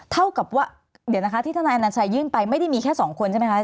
เท่ากับว่าเดี๋ยวนะคะที่ทนายอนัญชัยยื่นไปไม่ได้มีแค่สองคนใช่ไหมคะ